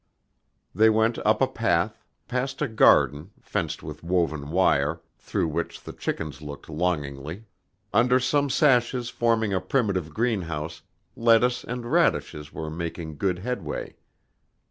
They went up a path, past a garden, fenced with woven wire, through which the chickens looked longingly. Under some sashes forming a primitive greenhouse, lettuce and radishes were making good headway.